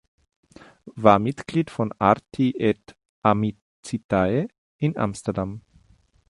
War Mitglied von „Arti et Amicitiae“ in Amsterdam.